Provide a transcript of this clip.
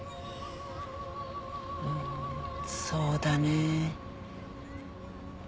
うーんそうだねえ。